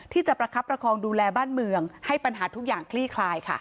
ประคับประคองดูแลบ้านเมืองให้ปัญหาทุกอย่างคลี่คลายค่ะ